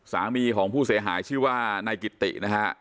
สามีของผู้เสียหายชื่อว่านายกิตินะฮะ